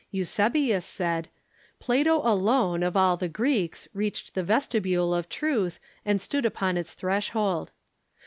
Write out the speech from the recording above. Eu sebius said : "Plato alone, of all the Greeks, reached the ves tibule of truth, and stood upon its threshold."